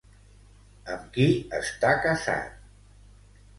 Amb qui està casat?